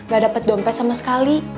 gak dapat dompet sama sekali